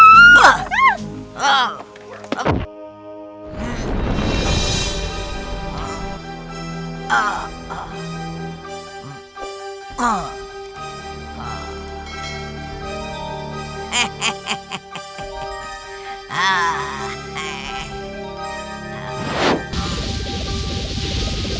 tidak ada apa apa